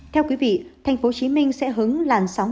theo quý vị tp hcm sẽ hứng làn sóng